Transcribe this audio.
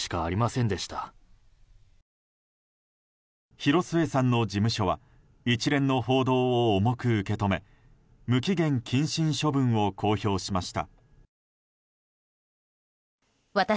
広末さんの事務所は一連の報道を重く受け止め無期限謹慎処分を公表しました。